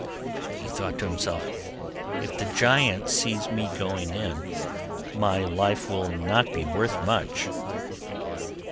He thought to himself, 'If the giant sees me going in, my life will not be worth much.